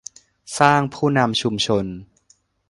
สร้างผู้นำชุมชน